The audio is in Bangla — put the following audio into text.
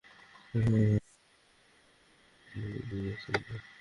সম্মোহনী দৌড়ে দু-তিন ডিফেন্ডারকে ছিটকে ফেলে চলে এসেছেন প্রতিপক্ষ ডি-বক্সের কোনায়।